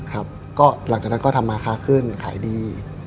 หลังจากนั้นก็ทำมาค่าขึ้นขายดี